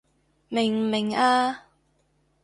明唔明啊？